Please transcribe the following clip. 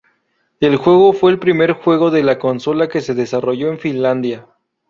El juego fue el primer juego de consola que se desarrolló en Finlandia.